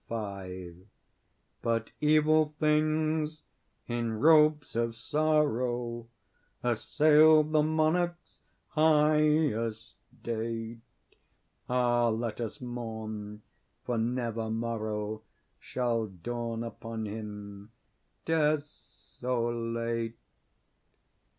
V. But evil things, in robes of sorrow, Assailed the monarch's high estate; (Ah, let us mourn, for never morrow Shall dawn upon him, desolate!)